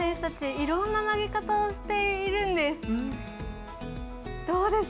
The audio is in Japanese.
いろんな投げ方をしているんです。